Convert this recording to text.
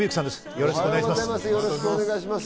よろしくお願いします。